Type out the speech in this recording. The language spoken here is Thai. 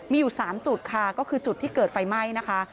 มีอยู่๓จุดค่ะก็คือจุดที่เกิดไฟไหม้นะคะ